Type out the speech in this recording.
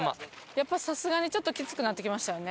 やっぱさすがにちょっときつくなってきましたよね。